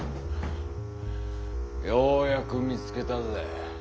ようやく見つけたぜ。